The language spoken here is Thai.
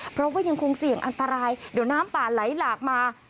เพราะว่ายังคงเสี่ยงอันตรายเดี๋ยวน้ำป่าไหลหลากมา